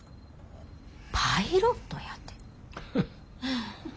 パイロットやて。